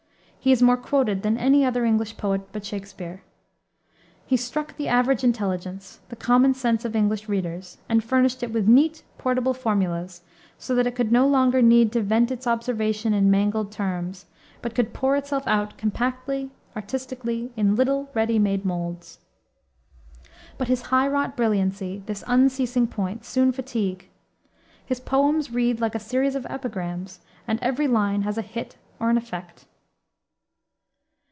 He is more quoted than any other English poet, but Shakspere. He struck the average intelligence, the common sense of English readers, and furnished it with neat, portable formulas, so that it no longer needed to "vent its observation in mangled terms," but could pour itself out compactly, artistically, in little, ready made molds. But his high wrought brilliancy, this unceasing point, soon fatigue. His poems read like a series of epigrams; and every line has a hit or an effect.